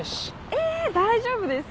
え大丈夫ですか？